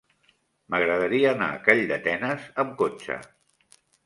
M'agradaria anar a Calldetenes amb cotxe.